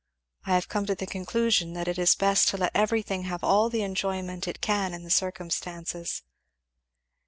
I have come to the conclusion that it is best to let everything have all the enjoyment it can in the circumstances.